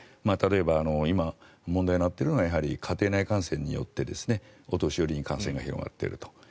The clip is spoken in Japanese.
例えば今、問題になっているのは家庭内感染によってお年寄りに感染が広がっていると。